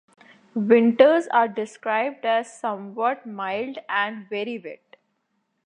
Winters are described as somewhat mild and very wet.